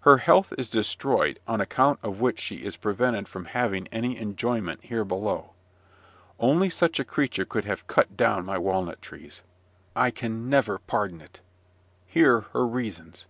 Her health is destroyed, on account of which she is prevented from having any enjoyment here below. Only such a creature could have cut down my walnut trees! I can never pardon it. Hear her reasons.